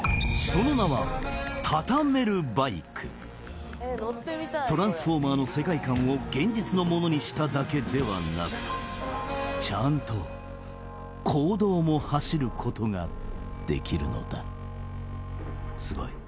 その名はトランスフォーマーの世界観を現実のものにしただけではなくちゃんと公道も走ることができるのだすごい